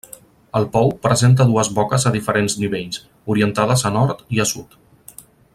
El pou presenta dues boques a diferents nivells, orientades a nord i a sud.